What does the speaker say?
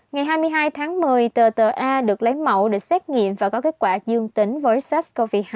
ngày hai mươi hai tháng một mươi tờ ta được lấy mẫu để xét nghiệm và có kết quả dương tính với sars cov hai